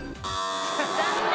残念。